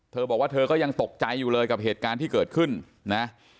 เธอบอกว่าเธอก็ยังตกใจอยู่เลยกับเหตุการณ์ที่เกิดขึ้นนะ